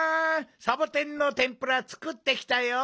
サボテンのてんぷらつくってきたよ！